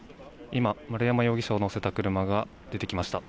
今、丸山容疑者を乗せた車が出てきました。